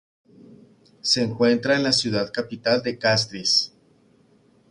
Se encuentra en la ciudad capital de Castries.